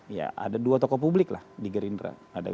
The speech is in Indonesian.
ya ada dua tokoh publik lah di gerindra